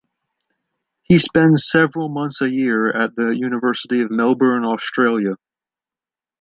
He spends several months a year at the University of Melbourne, Australia.